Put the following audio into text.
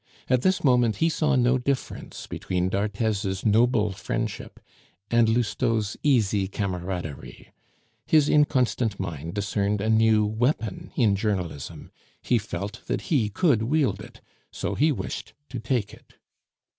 At this moment he saw no difference between d'Arthez's noble friendship and Lousteau's easy comaraderie; his inconstant mind discerned a new weapon in journalism; he felt that he could wield it, so he wished to take it.